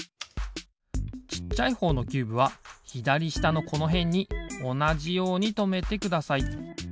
ちっちゃいほうのキューブはひだりしたのこのへんにおなじようにとめてください。